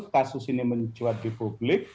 kasus ini mencuat di publik